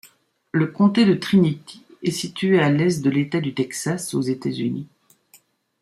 Le comté de Trinity est situé à l'est de l'État du Texas, aux États-Unis.